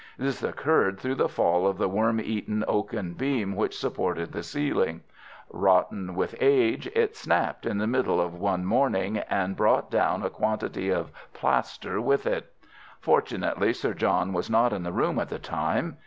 This occurred through the fall of the worm eaten oaken beam which supported the ceiling. Rotten with age, it snapped in the middle one morning, and brought down a quantity of plaster with it. Fortunately Sir John was not in the room at the time.